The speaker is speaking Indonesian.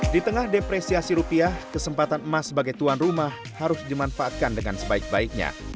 di tengah depresiasi rupiah kesempatan emas sebagai tuan rumah harus dimanfaatkan dengan sebaik baiknya